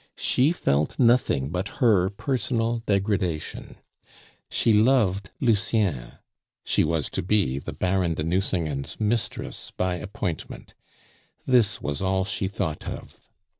She felt nothing but her personal degradation; she loved Lucien, she was to be the Baron de Nucingen's mistress "by appointment"; this was all she thought of.